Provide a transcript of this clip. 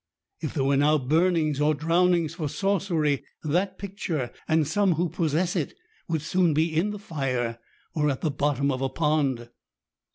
If there were now burnings or drownings for sorcery, that picture, and some who possess it, would soon be in the fire, or at the bottom of a pond.